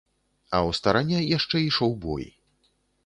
А ў старане яшчэ ішоў бой.